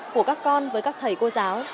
của các con với các thầy cô giáo